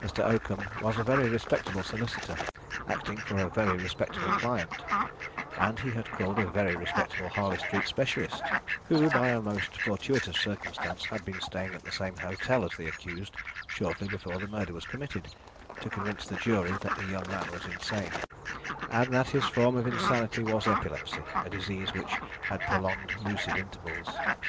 Mr. Oakham was a very respectable solicitor, acting for a very respectable client, and he had called a very respectable Harley Street specialist who, by a most fortuitous circumstance, had been staying at the same hotel as the accused shortly before the murder was committed to convince the jury that the young man was insane, and that his form of insanity was epilepsy, a disease which had prolonged lucid intervals.